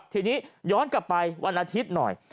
ทีนี้ย้อนกลับไปวันอาทิตย์หน่อย